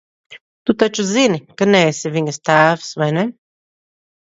Tu taču zini, ka neesi viņas tēvs, vai ne?